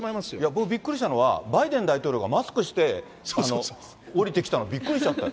僕、びっくりしたのは、バイデン大統領がマスクして降りてきたの、びっくりしちゃって。